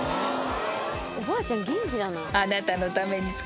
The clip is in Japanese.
おばあちゃん元気だな。